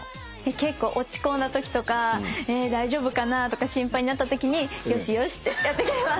結構落ち込んだときとか大丈夫かなとか心配になったときによしよしってやってくれます。